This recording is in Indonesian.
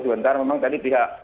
sebentar memang tadi pihak